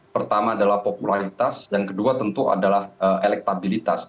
pertama adalah popularitas yang kedua tentu adalah elektabilitas